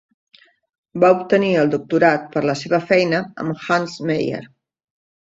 Va obtenir el doctorat per la seva feina amb Hans Meyer.